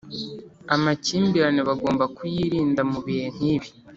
amakimbirane bagomba kuyirinda mubihe nkibi